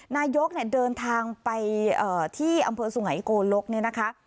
นายกเนี่ยเดินทางไปที่อำเภอสุไงโกลกเนี่ยนะคะ